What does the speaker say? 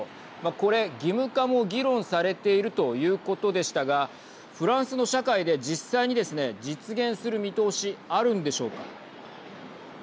これ、義務化も議論されているということでしたがフランスの社会で、実際にですね実現する見通しあるんでしょうか。